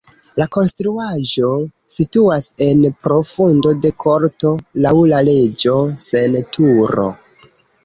La konstruaĵo situas en profundo de korto, laŭ la leĝo sen turo.